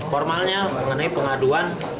formalnya mengenai pengaduan